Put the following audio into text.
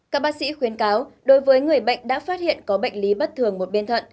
các bác sĩ khuyến cáo đối với người bệnh đã phát hiện có bệnh lý bất thường một bên thận